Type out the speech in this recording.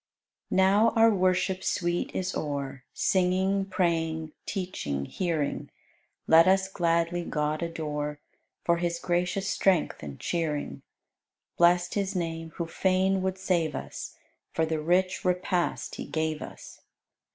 93. Now our worship sweet is o'er Singing, praying, teaching, hearing: Let us gladly God adore For His gracious strength and cheering. Blest His name, who fain would save us, For the rich repast He gave us.